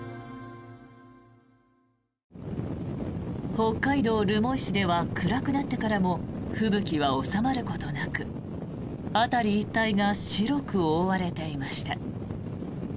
北海道留萌市では暗くなってからも吹雪は収まることなく辺り一帯が白く覆われていました。